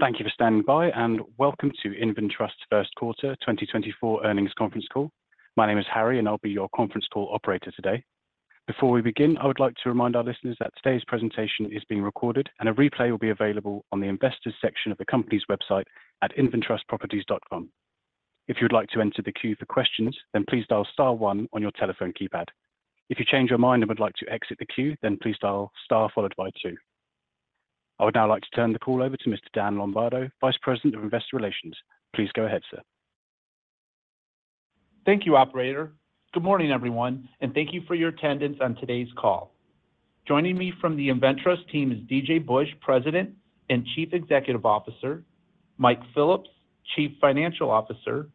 Thank you for standing by, and welcome to InvenTrust First Quarter 2024 Earnings Conference Call. My name is Harry, and I'll be your conference call Operator today. Before we begin, I would like to remind our listeners that today's presentation is being recorded, and a replay will be available on the Investors section of the company's website at inventrustproperties.com. If you would like to enter the queue for questions, then please dial star one on your telephone keypad. If you change your mind and would like to exit the queue, then please dial star followed by two. I would now like to turn the call over to Mr. Dan Lombardo, Vice President of Investor Relations. Please go ahead, sir. Thank you, operator. Good morning, everyone, and thank you for your attendance on today's call. Joining me from the InvenTrust team is DJ Busch, President and Chief Executive Officer; Mike Phillips, Chief Financial Officer;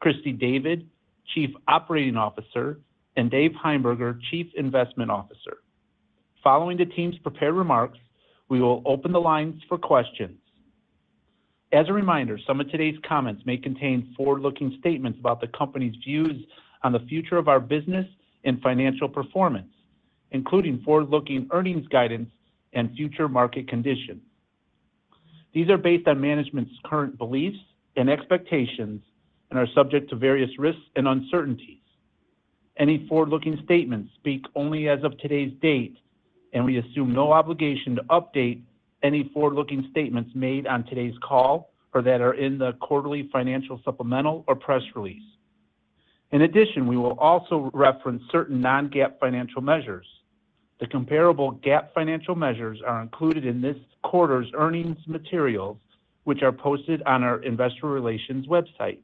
Christy David, Chief Operating Officer; and Dave Heimberger, Chief Investment Officer. Following the team's prepared remarks, we will open the lines for questions. As a reminder, some of today's comments may contain forward-looking statements about the company's views on the future of our business and financial performance, including forward-looking earnings guidance and future market conditions. These are based on management's current beliefs and expectations and are subject to various risks and uncertainties. Any forward-looking statements speak only as of today's date, and we assume no obligation to update any forward-looking statements made on today's call or that are in the quarterly financial supplemental or press release. In addition, we will also reference certain non-GAAP financial measures. The comparable GAAP financial measures are included in this quarter's earnings materials, which are posted on our Investor Relations website.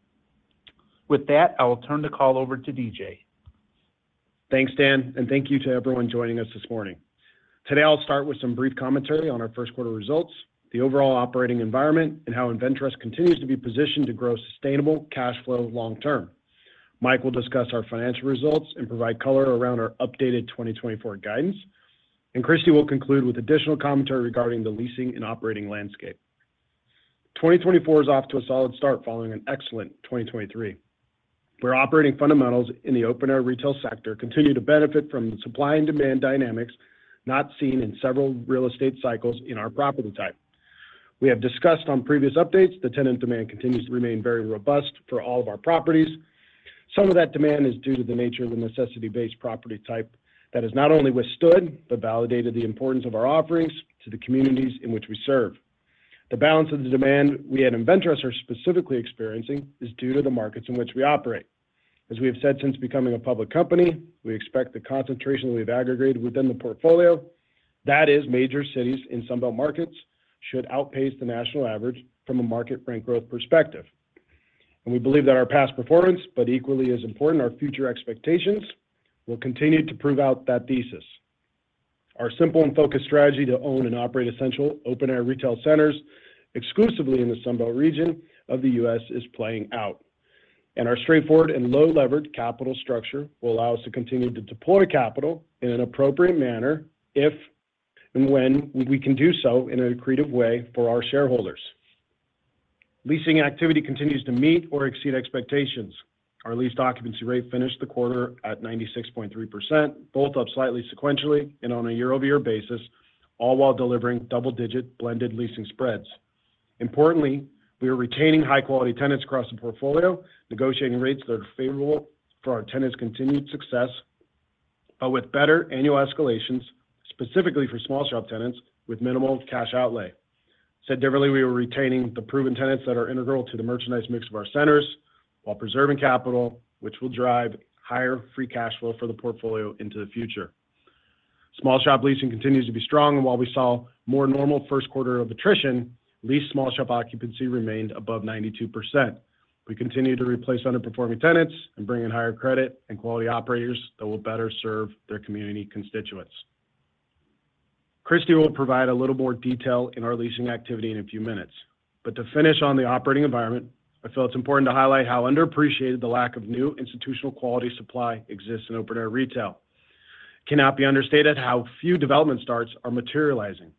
With that, I will turn the call over to DJ. Thanks, Dan, and thank you to everyone joining us this morning. Today I'll start with some brief commentary on our first quarter results, the overall operating environment, and how InvenTrust continues to be positioned to grow sustainable cash flow long term. Mike will discuss our financial results and provide color around our updated 2024 guidance, and Christy will conclude with additional commentary regarding the leasing and operating landscape. 2024 is off to a solid start following an excellent 2023, where operating fundamentals in the open-air retail sector continue to benefit from the supply and demand dynamics not seen in several real estate cycles in our property type. We have discussed on previous updates the tenant demand continues to remain very robust for all of our properties. Some of that demand is due to the nature of the necessity-based property type that has not only withstood but validated the importance of our offerings to the communities in which we serve. The balance of the demand we at InvenTrust are specifically experiencing is due to the markets in which we operate. As we have said since becoming a public company, we expect the concentration that we have aggregated within the portfolio - that is, major cities in Sunbelt markets - should outpace the national average from a market rate growth perspective. We believe that our past performance, but equally as important, our future expectations will continue to prove out that thesis. Our simple and focused strategy to own and operate essential open-air retail centers exclusively in the Sunbelt region of the U.S. is playing out. And our straightforward and low-leverage capital structure will allow us to continue to deploy capital in an appropriate manner if and when we can do so in a creative way for our shareholders. Leasing activity continues to meet or exceed expectations. Our leased occupancy rate finished the quarter at 96.3%, both up slightly sequentially and on a year-over-year basis, all while delivering double-digit blended leasing spreads. Importantly, we are retaining high-quality tenants across the portfolio, negotiating rates that are favorable for our tenants' continued success, but with better annual escalations, specifically for small shop tenants with minimal cash outlay. Said differently, we are retaining the proven tenants that are integral to the merchandise mix of our centers while preserving capital, which will drive higher free cash flow for the portfolio into the future. Small shop leasing continues to be strong, and while we saw more normal first quarter of attrition, leased small shop occupancy remained above 92%. We continue to replace underperforming tenants and bring in higher credit and quality operators that will better serve their community constituents. Christy will provide a little more detail in our leasing activity in a few minutes, but to finish on the operating environment, I feel it's important to highlight how underappreciated the lack of new institutional quality supply exists in open-air retail. It cannot be understated how few development starts are materializing.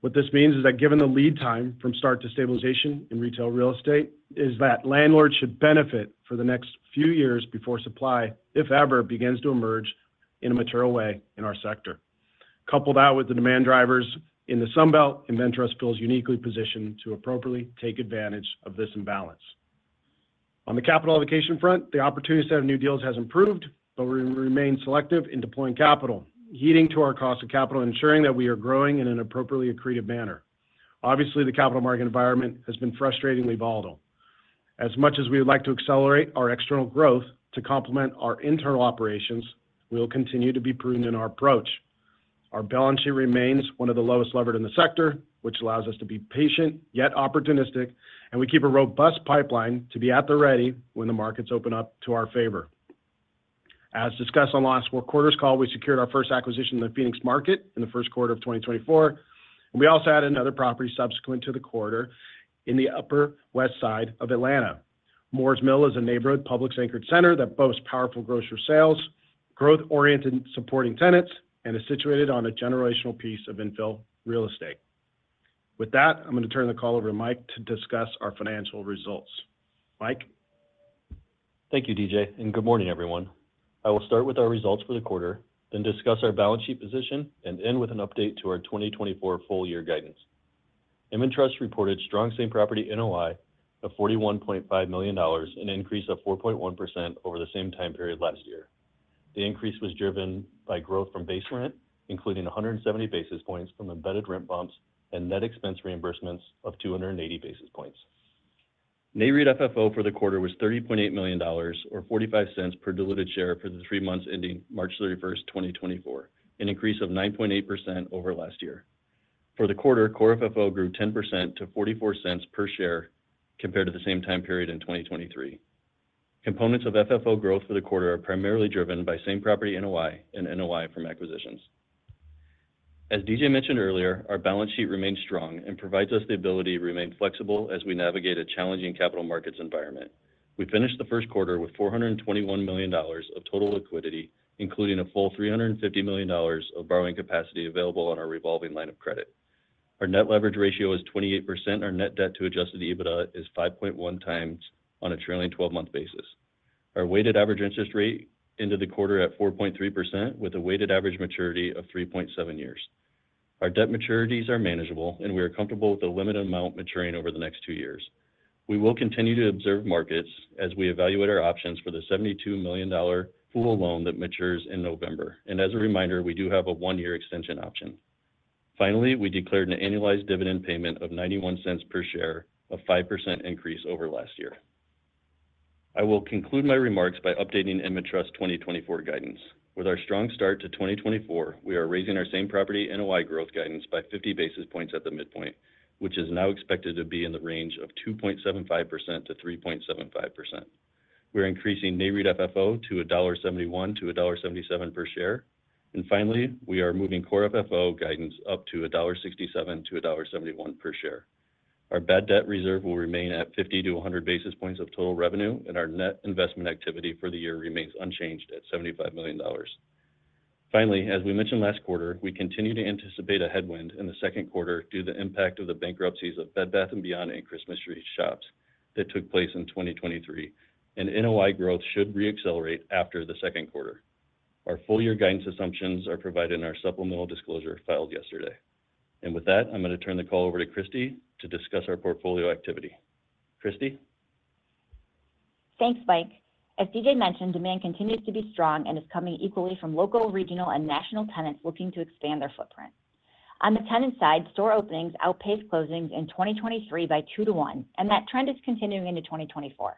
What this means is that given the lead time from start to stabilization in retail real estate, is that landlords should benefit for the next few years before supply, if ever, begins to emerge in a material way in our sector. Coupled that with the demand drivers in the Sunbelt, InvenTrust feels uniquely positioned to appropriately take advantage of this imbalance. On the capital allocation front, the opportunity set of new deals has improved, but we remain selective in deploying capital, heeding to our cost of capital and ensuring that we are growing in an appropriately accretive manner. Obviously, the capital market environment has been frustratingly volatile. As much as we would like to accelerate our external growth to complement our internal operations, we will continue to be prudent in our approach. Our balance sheet remains one of the lowest levered in the sector, which allows us to be patient yet opportunistic, and we keep a robust pipeline to be at the ready when the markets open up to our favor. As discussed on last four quarters' call, we secured our first acquisition in the Phoenix market in the first quarter of 2024, and we also added another property subsequent to the quarter in the Upper Westside of Atlanta. Moores Mill is a neighborhood Publix-anchored center that boasts powerful grocery sales, growth-oriented supporting tenants, and is situated on a generational piece of infill real estate. With that, I'm going to turn the call over to Mike to discuss our financial results. Mike? Thank you, DJ, and good morning, everyone. I will start with our results for the quarter, then discuss our balance sheet position, and end with an update to our 2024 full-year guidance. InvenTrust reported strong Same Property NOI of $41.5 million, an increase of 4.1% over the same time period last year. The increase was driven by growth from base rent, including 170 basis points from embedded rent bumps and net expense reimbursements of 280 basis points. Nareit FFO for the quarter was $30.8 million or $0.45 per diluted share for the three months ending March 31st, 2024, an increase of 9.8% over last year. For the quarter, Core FFO grew 10% to $0.44 per share compared to the same time period in 2023. Components of FFO growth for the quarter are primarily driven by Same Property NOI and NOI from acquisitions. As DJ mentioned earlier, our balance sheet remains strong and provides us the ability to remain flexible as we navigate a challenging capital markets environment. We finished the first quarter with $421 million of total liquidity, including a full $350 million of borrowing capacity available on our revolving line of credit. Our net leverage ratio is 28%. Our net debt to Adjusted EBITDA is 5.1x on a trailing 12-month basis. Our weighted average interest rate ended the quarter at 4.3%, with a weighted average maturity of 3.7 years. Our debt maturities are manageable, and we are comfortable with a limited amount maturing over the next two years. We will continue to observe markets as we evaluate our options for the $72 million pool loan that matures in November, and as a reminder, we do have a one-year extension option. Finally, we declared an annualized dividend payment of $0.91 per share, a 5% increase over last year. I will conclude my remarks by updating InvenTrust 2024 guidance. With our strong start to 2024, we are raising our same property NOI growth guidance by 50 basis points at the midpoint, which is now expected to be in the range of 2.75%-3.75%. We are increasing Nareit FFO to $1.71-$1.77 per share, and finally, we are moving core FFO guidance up to $1.67-$1.71 per share. Our bad debt reserve will remain at 50-100 basis points of total revenue, and our net investment activity for the year remains unchanged at $75 million. Finally, as we mentioned last quarter, we continue to anticipate a headwind in the second quarter due to the impact of the bankruptcies of Bed Bath & Beyond and Christmas Tree Shops that took place in 2023, and NOI growth should reaccelerate after the second quarter. Our full-year guidance assumptions are provided in our supplemental disclosure filed yesterday. With that, I'm going to turn the call over to Christy to discuss our portfolio activity. Christy? Thanks, Mike. As DJ mentioned, demand continues to be strong and is coming equally from local, regional, and national tenants looking to expand their footprint. On the tenant side, store openings outpace closings in 2023 by 2-1, and that trend is continuing into 2024.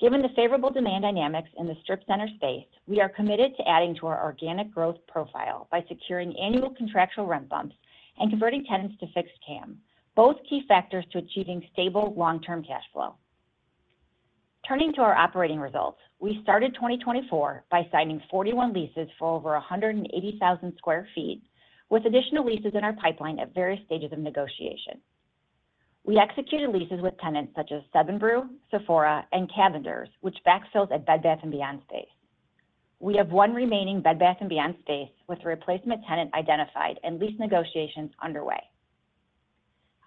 Given the favorable demand dynamics in the strip center space, we are committed to adding to our organic growth profile by securing annual contractual rent bumps and converting tenants to fixed CAM, both key factors to achieving stable long-term cash flow. Turning to our operating results, we started 2024 by signing 41 leases for over 180,000 sq ft, with additional leases in our pipeline at various stages of negotiation. We executed leases with tenants such as 7 Brew, Sephora, and Cavender's, which backfills at Bed Bath & Beyond space. We have one remaining Bed Bath & Beyond space with a replacement tenant identified and lease negotiations underway.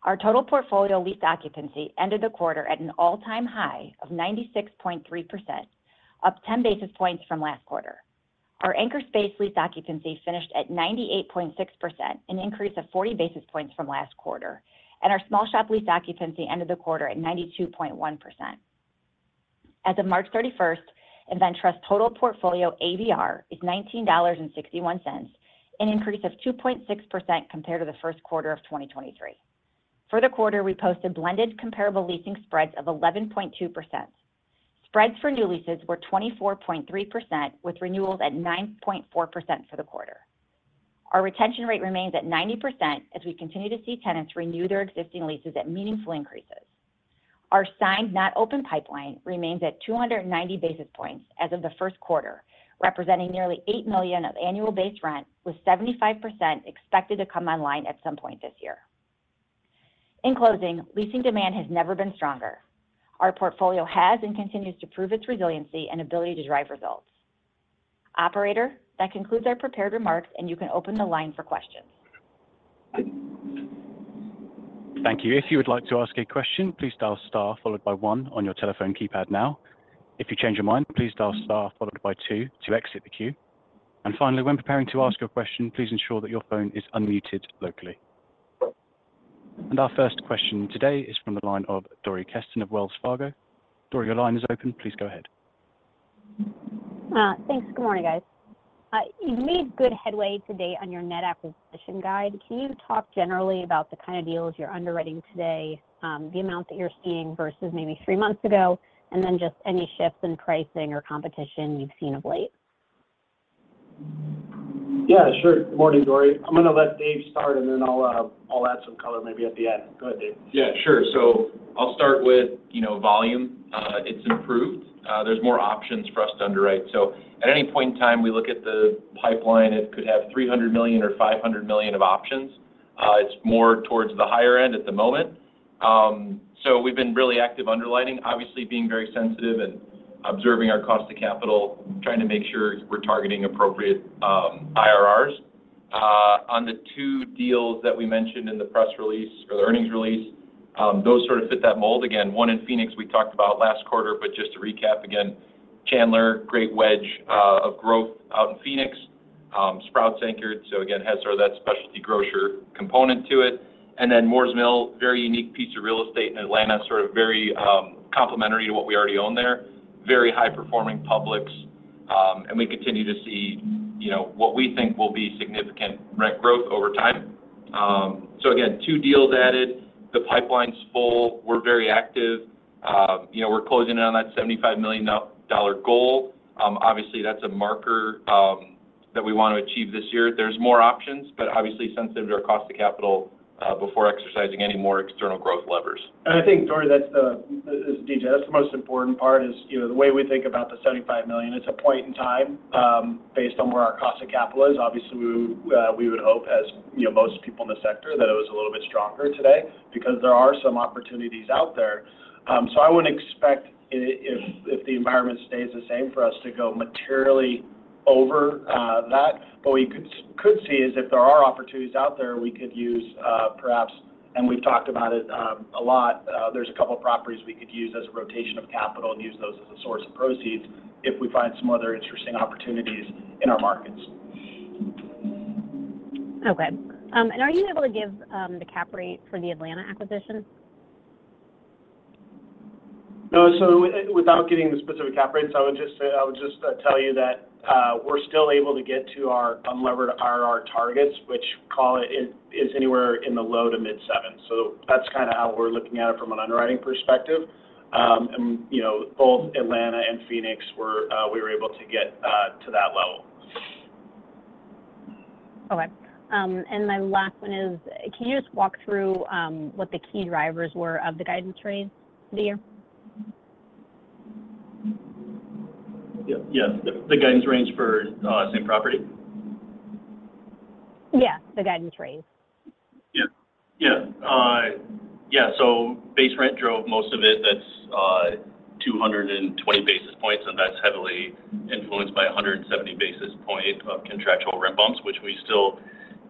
Our total portfolio lease occupancy ended the quarter at an all-time high of 96.3%, up 10 basis points from last quarter. Our anchor space lease occupancy finished at 98.6%, an increase of 40 basis points from last quarter, and our small shop lease occupancy ended the quarter at 92.1%. As of March 31st, InvenTrust total portfolio ABR is $19.61, an increase of 2.6% compared to the first quarter of 2023. For the quarter, we posted blended comparable leasing spreads of 11.2%. Spreads for new leases were 24.3%, with renewals at 9.4% for the quarter. Our retention rate remains at 90% as we continue to see tenants renew their existing leases at meaningful increases. Our signed not open pipeline remains at 290 basis points as of the first quarter, representing nearly $8 million of annual base rent, with 75% expected to come online at some point this year. In closing, leasing demand has never been stronger. Our portfolio has and continues to prove its resiliency and ability to drive results. Operator, that concludes our prepared remarks, and you can open the line for questions. Thank you. If you would like to ask a question, please dial star followed by one on your telephone keypad now. If you change your mind, please dial star followed by two to exit the queue. And finally, when preparing to ask your question, please ensure that your phone is unmuted locally. And our first question today is from the line of Dory Kesten of Wells Fargo. Dory, your line is open. Please go ahead. Thanks. Good morning, guys. You made good headway today on your net acquisition guide. Can you talk generally about the kind of deals you're underwriting today, the amount that you're seeing versus maybe three months ago, and then just any shifts in pricing or competition you've seen of late? Yeah, sure. Good morning, Dory. I'm going to let Dave start, and then I'll add some color maybe at the end. Go ahead, Dave. Yeah, sure. So I'll start with volume. It's improved. There's more options for us to underwrite. So at any point in time, we look at the pipeline, it could have $300 million or $500 million of options. It's more towards the higher end at the moment. So we've been really active underwriting, obviously being very sensitive and observing our cost of capital, trying to make sure we're targeting appropriate IRRs. On the two deals that we mentioned in the press release or the earnings release, those sort of fit that mold. Again, one in Phoenix, we talked about last quarter, but just to recap again, Chandler, great wedge of growth out in Phoenix. Sprouts-anchored, so again, has sort of that specialty grocer component to it. Then Moores Mill, very unique piece of real estate in Atlanta, sort of very complementary to what we already own there, very high-performing Publix. We continue to see what we think will be significant rent growth over time. Again, two deals added. The pipeline's full. We're very active. We're closing in on that $75 million goal. Obviously, that's a marker that we want to achieve this year. There's more options, but obviously sensitive to our cost of capital before exercising any more external growth levers. And I think, Dory, as DJ, that's the most important part is the way we think about the $75 million. It's a point in time based on where our cost of capital is. Obviously, we would hope, as most people in the sector, that it was a little bit stronger today because there are some opportunities out there. So I wouldn't expect, if the environment stays the same, for us to go materially over that. But what we could see is if there are opportunities out there, we could use perhaps and we've talked about it a lot. There's a couple of properties we could use as a rotation of capital and use those as a source of proceeds if we find some other interesting opportunities in our markets. Okay. Are you able to give the cap rate for the Atlanta acquisition? No. So without giving the specific cap rates, I would just tell you that we're still able to get to our unlevered IRR targets, which, call it, is anywhere in the low- to mid-seven. So that's kind of how we're looking at it from an underwriting perspective. Both Atlanta and Phoenix, we were able to get to that level. Okay. My last one is, can you just walk through what the key drivers were of the guidance range for the year? Yes. The guidance range for same property? Yeah, the guidance range. Yeah. Yeah. Yeah. So base rent drove most of it. That's 220 basis points, and that's heavily influenced by 170 basis points of contractual rent bumps, which we still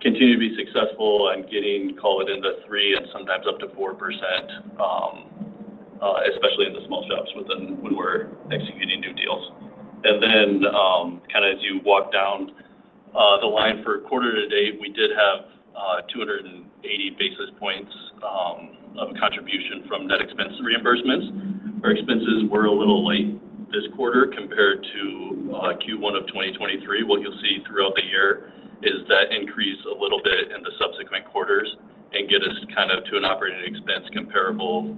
continue to be successful in getting, call it, in the 3% and sometimes up to 4%, especially in the small shops when we're executing new deals. And then kind of as you walk down the line for quarter-to-date, we did have 280 basis points of contribution from net expense reimbursements. Our expenses were a little late this quarter compared to Q1 of 2023. What you'll see throughout the year is that increase a little bit in the subsequent quarters and get us kind of to an operating expense comparable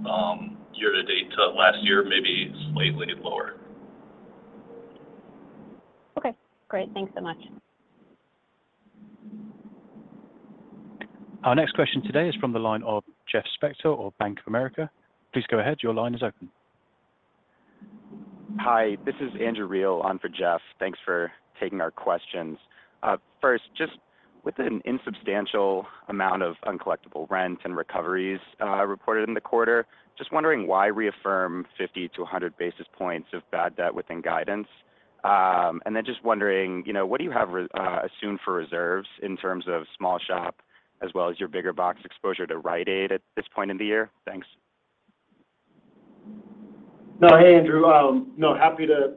year-to-date to last year, maybe slightly lower. Okay. Great. Thanks so much. Our next question today is from the line of Jeff Spector of Bank of America. Please go ahead. Your line is open. Hi. This is Andrew Reale. I'm for Jeff. Thanks for taking our questions. First, just with an insubstantial amount of uncollectible rent and recoveries reported in the quarter, just wondering why reaffirm 50-100 basis points of bad debt within guidance? And then just wondering, what do you have assumed for reserves in terms of small shop as well as your bigger box exposure to Rite Aid at this point in the year? Thanks. No. Hey, Andrew. No, happy to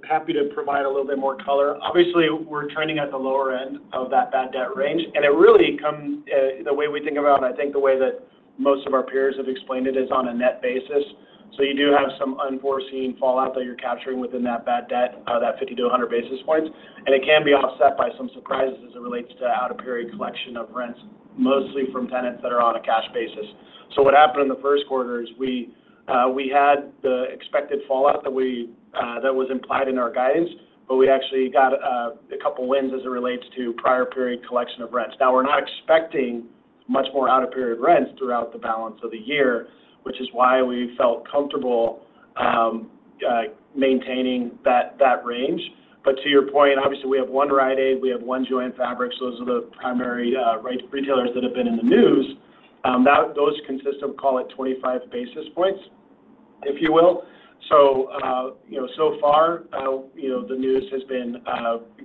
provide a little bit more color. Obviously, we're trending at the lower end of that bad debt range. And it really comes, the way we think about it, I think the way that most of our peers have explained it, is on a net basis. So you do have some unforeseen fallout that you're capturing within that bad debt, that 50-100 basis points. And it can be offset by some surprises as it relates to out-of-period collection of rents, mostly from tenants that are on a cash basis. So what happened in the first quarter is we had the expected fallout that was implied in our guidance, but we actually got a couple of wins as it relates to prior-period collection of rents. Now, we're not expecting much more out-of-period rents throughout the balance of the year, which is why we felt comfortable maintaining that range. But to your point, obviously, we have one Rite Aid. We have one JOANN. Those are the primary retailers that have been in the news. Those consist of, call it, 25 basis points, if you will. So far, the news has been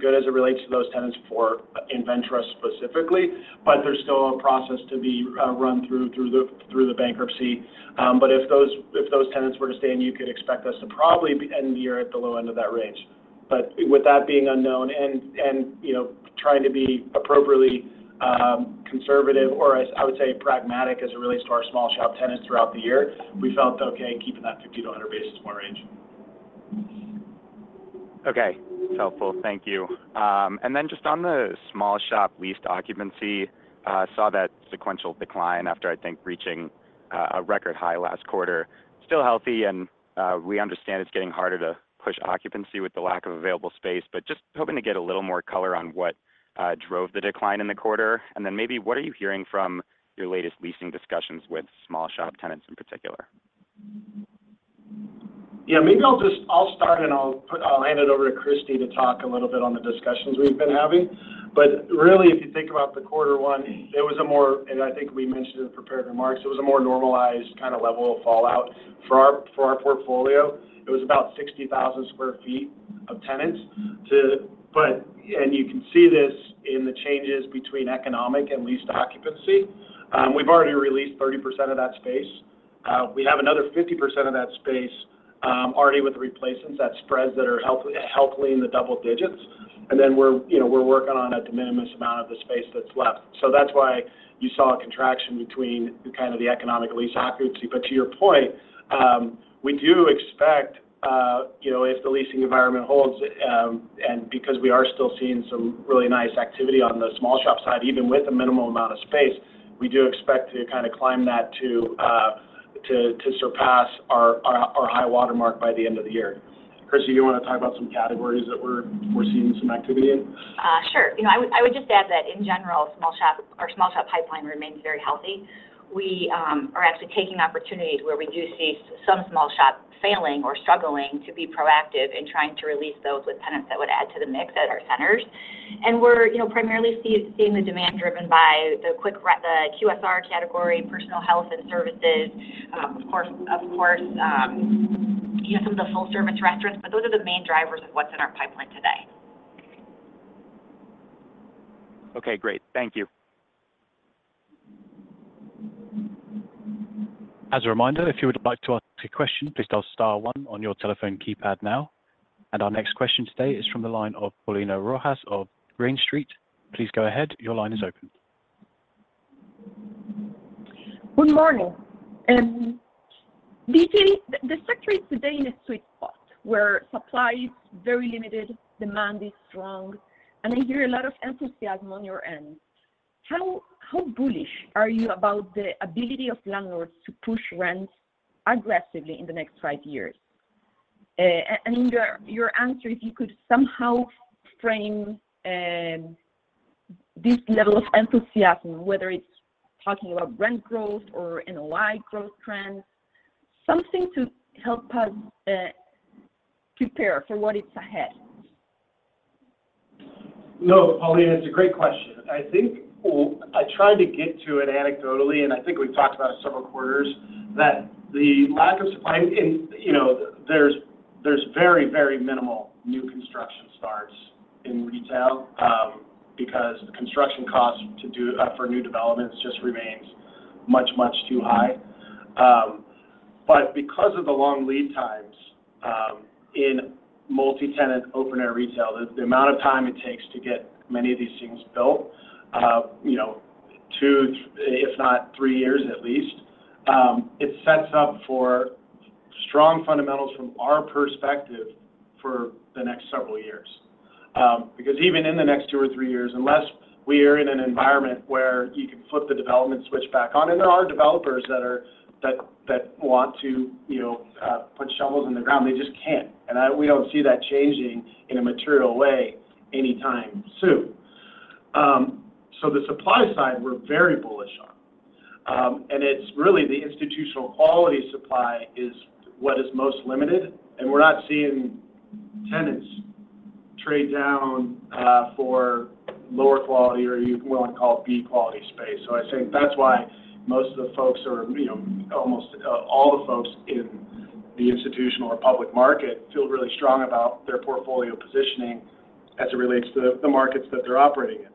good as it relates to those tenants for InvenTrust specifically, but there's still a process to be run through the bankruptcy. But if those tenants were to stay, you could expect us to probably end the year at the low end of that range. But with that being unknown and trying to be appropriately conservative or, I would say, pragmatic as it relates to our small shop tenants throughout the year, we felt, okay, keeping that 50-100 basis point range. Okay. It's helpful. Thank you. And then just on the small shop lease occupancy, I saw that sequential decline after, I think, reaching a record high last quarter. Still healthy, and we understand it's getting harder to push occupancy with the lack of available space, but just hoping to get a little more color on what drove the decline in the quarter. And then maybe, what are you hearing from your latest leasing discussions with small shop tenants in particular? Yeah. Maybe I'll start, and I'll hand it over to Christy to talk a little bit on the discussions we've been having. But really, if you think about the quarter one, it was a more and I think we mentioned in the prepared remarks, it was a more normalized kind of level of fallout for our portfolio. It was about 60,000 sq ft of tenants. And you can see this in the changes between economic and leased occupancy. We've already re-leased 30% of that space. We have another 50% of that space already with replacements. That spreads that are healthily in the double digits. And then we're working on a de minimis amount of the space that's left. So that's why you saw a contraction between kind of the economic lease occupancy. But to your point, we do expect, if the leasing environment holds and because we are still seeing some really nice activity on the small shop side, even with a minimal amount of space, we do expect to kind of climb that to surpass our high watermark by the end of the year. Christy, do you want to talk about some categories that we're seeing some activity in? Sure. I would just add that, in general, our small shop pipeline remains very healthy. We are actually taking opportunities where we do see some small shop failing or struggling to be proactive in trying to re-lease those with tenants that would add to the mix at our centers. And we're primarily seeing the demand driven by the QSR category, personal health and services, of course, some of the full-service restaurants, but those are the main drivers of what's in our pipeline today. Okay. Great. Thank you. As a reminder, if you would like to ask a question, please dial star one on your telephone keypad now. Our next question today is from the line of Paulina Rojas of Green Street. Please go ahead. Your line is open. Good morning. DJ, the sector is today in a sweet spot where supply is very limited, demand is strong, and I hear a lot of enthusiasm on your end. How bullish are you about the ability of landlords to push rents aggressively in the next five years? In your answer, if you could somehow frame this level of enthusiasm, whether it's talking about rent growth or NOI growth trends, something to help us prepare for what it's ahead. No, Paulina, it's a great question. I think I tried to get to it anecdotally, and I think we've talked about it several quarters, that the lack of supply and there's very, very minimal new construction starts in retail because the construction cost for new developments just remains much, much too high. But because of the long lead times in multi-tenant open-air retail, the amount of time it takes to get many of these things built, two, if not three years at least, it sets up for strong fundamentals from our perspective for the next several years. Because even in the next two or three years, unless we are in an environment where you can flip the development switch back on and there are developers that want to put shovels in the ground, they just can't. And we don't see that changing in a material way anytime soon. So the supply side, we're very bullish on. And it's really the institutional quality supply is what is most limited. And we're not seeing tenants trade down for lower quality or you want to call it B-quality space. So I think that's why most of the folks or almost all the folks in the institutional or public market feel really strong about their portfolio positioning as it relates to the markets that they're operating in.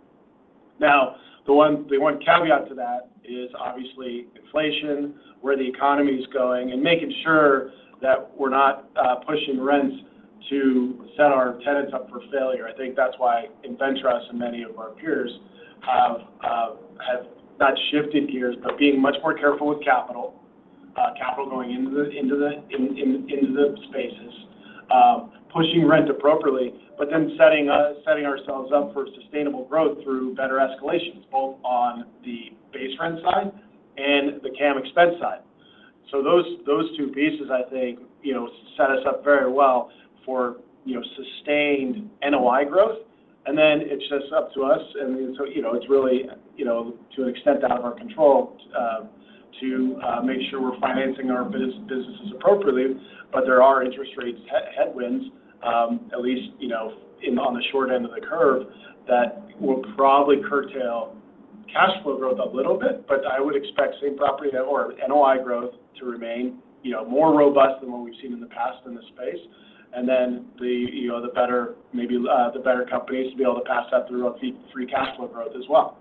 Now, the one caveat to that is, obviously, inflation, where the economy is going, and making sure that we're not pushing rents to set our tenants up for failure. I think that's why InvenTrust and many of our peers have not shifted gears, but being much more careful with capital, capital going into the spaces, pushing rent appropriately, but then setting ourselves up for sustainable growth through better escalations, both on the base rent side and the CAM expense side. So those two pieces, I think, set us up very well for sustained NOI growth. And then it's just up to us. And so it's really, to an extent, out of our control to make sure we're financing our businesses appropriately. But there are interest rate headwinds, at least on the short end of the curve, that will probably curtail cash flow growth a little bit. But I would expect same property or NOI growth to remain more robust than what we've seen in the past in this space. And then the better, maybe the better companies to be able to pass that through on free cash flow growth as well.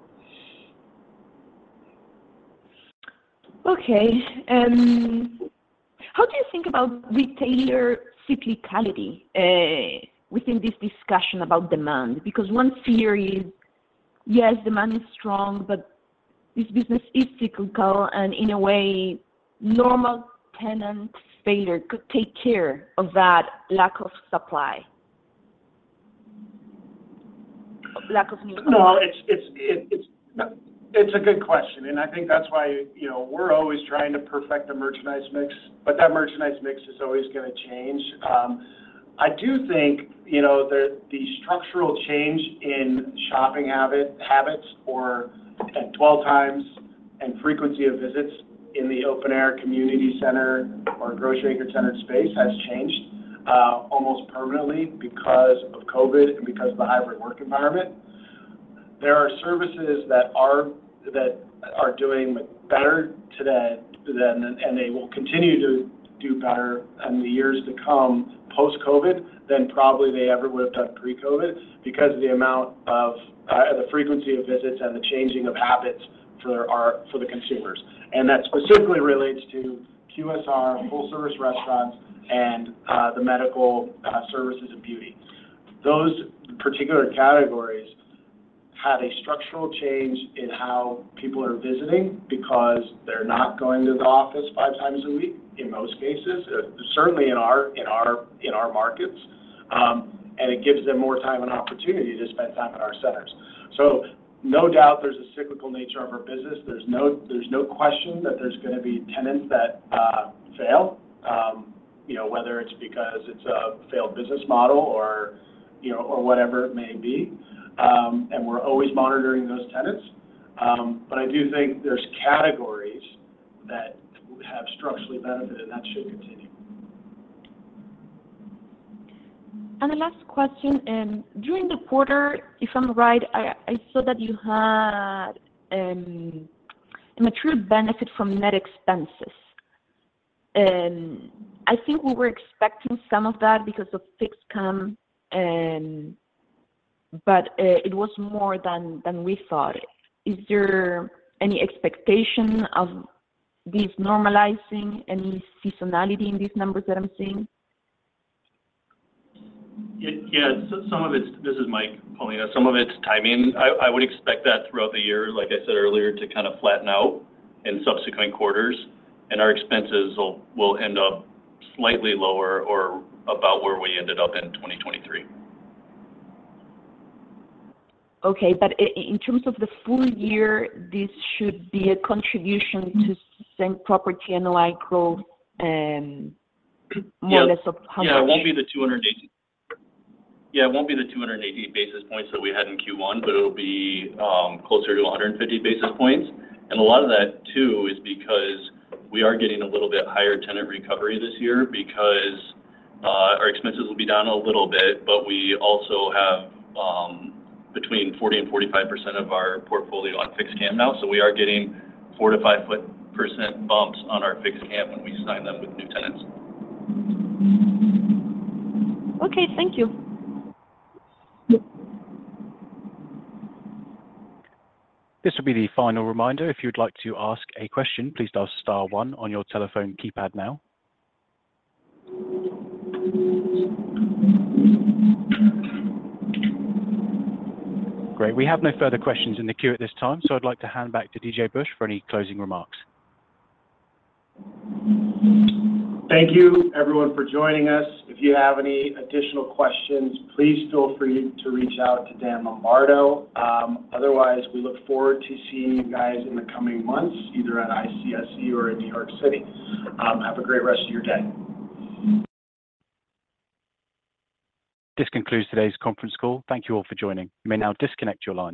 Okay. And how do you think about retailer cyclicality within this discussion about demand? Because one theory is, yes, demand is strong, but this business is cyclical. And in a way, normal tenant failure could take care of that lack of supply, lack of new. No, it's a good question. I think that's why we're always trying to perfect the merchandise mix. But that merchandise mix is always going to change. I do think the structural change in shopping habits or at dwell times and frequency of visits in the open-air community center or grocery-anchored space has changed almost permanently because of COVID and because of the hybrid work environment. There are services that are doing better today, and they will continue to do better in the years to come post-COVID than probably they ever would have done pre-COVID because of the amount of the frequency of visits and the changing of habits for the consumers. And that specifically relates to QSR, full-service restaurants, and the medical services and beauty. Those particular categories had a structural change in how people are visiting because they're not going to the office five times a week in most cases, certainly in our markets. And it gives them more time and opportunity to spend time in our centers. So no doubt there's a cyclical nature of our business. There's no question that there's going to be tenants that fail, whether it's because it's a failed business model or whatever it may be. And we're always monitoring those tenants. But I do think there's categories that have structurally benefited, and that should continue. The last question. During the quarter, if I'm right, I saw that you had a major benefit from net expenses. I think we were expecting some of that because of fixed CAM, but it was more than we thought. Is there any expectation of this normalizing, any seasonality in these numbers that I'm seeing? Yeah. This is Mike, Paulina. Some of it's timing. I would expect that throughout the year, like I said earlier, to kind of flatten out in subsequent quarters. Our expenses will end up slightly lower or about where we ended up in 2023. Okay. But in terms of the full year, this should be a contribution to Same Property NOI growth, more or less of how much? Yeah. It won't be the 280 yeah, it won't be the 280 basis points that we had in Q1, but it'll be closer to 150 basis points. And a lot of that, too, is because we are getting a little bit higher tenant recovery this year because our expenses will be down a little bit, but we also have between 40% and 45% of our portfolio on fixed CAM now. So we are getting 4%-5% bumps on our fixed CAM when we sign them with new tenants. Okay. Thank you. This will be the final reminder. If you would like to ask a question, please dial star one on your telephone keypad now. Great. We have no further questions in the queue at this time, so I'd like to hand back to DJ Busch for any closing remarks. Thank you, everyone, for joining us. If you have any additional questions, please feel free to reach out to Dan Lombardo. Otherwise, we look forward to seeing you guys in the coming months, either at ICSC or in New York City. Have a great rest of your day. This concludes today's conference call. Thank you all for joining. You may now disconnect your line.